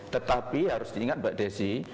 tetapi harus diingat mbak desi